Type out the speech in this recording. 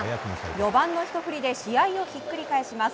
４番のひと振りで試合をひっくり返します。